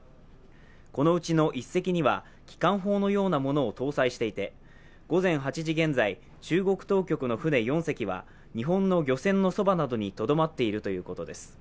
このうちの１隻には機関砲のようなものを搭載していて、午前８時現在、中国当局の船４隻は日本の漁船のそばなどにとどまっているということです。